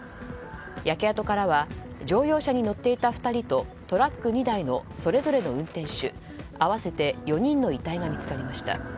焼け跡からは乗用車に乗っていた２人とトラック２台のそれぞれの運転手合わせて４人の遺体が見つかりました。